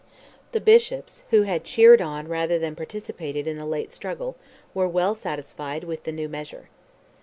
The Bishops, who had cheered on, rather than participated in the late struggle, were well satisfied with the new measure.